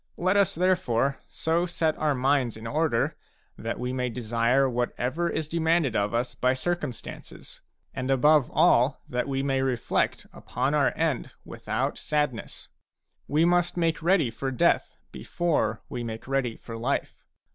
Let us therefore so set our minds in order that we may desire whatever is demanded of us by circumstances, and above all that we may reflect upon our end with out sadness. We must make ready for death before we make ready for life.